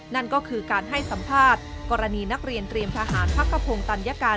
นั่นก็คือการให้สัมภาษณ์กรณีนักเรียนเตรียมทหารพักขพงศ์ตัญญาการ